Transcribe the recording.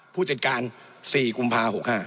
ผู้จัดการ๔กุมภา๖๕